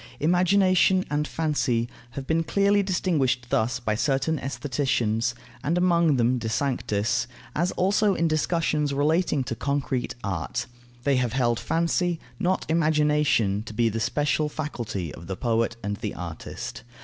Imagination and fancy have been clearly distinguished thus by certain aestheticians (and among them, De Sanctis), as also in discussions relating to concrete art: they have held fancy, not imagination, to be the special faculty of the poet and the artist.